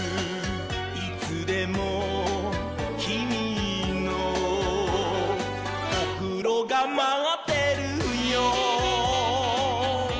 「いつでもきみのおふろがまってるよ」